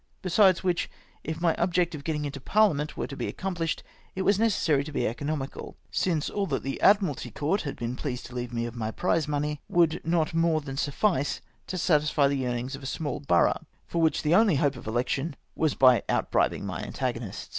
Besides which, if my object of getting into Parhament were to be accomphshed, it was necessary to be economical, since aU that the Admiralty Coiurt had been pleased to leave me of my prize money would not more than suffice to satisfy the yearnings of a small borough, for which the only hope of election was by outbribing my antagonists.